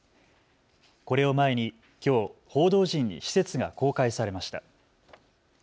これを前にきょう報道陣に施設が公開されました。